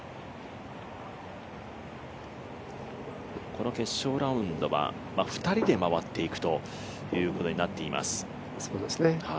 この決勝ラウンドは２人で回っていくということになっています。